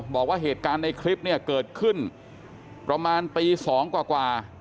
บอกว่าเหตุการณ์ในคลิปเนี่ยเกิดขึ้นประมาณตี๒กว่า